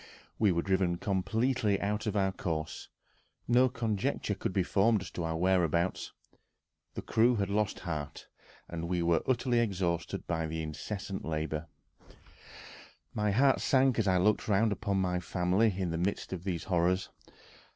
We were driven completely out of our course; no conjecture could be formed as to our whereabouts. The crew had lost heart, and were utterly exhausted by incessant labor.... My heart sank as I looked round upon my family in the midst of these horrors.